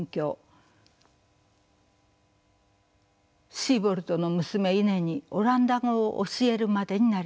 シーボルトの娘イネにオランダ語を教えるまでになります。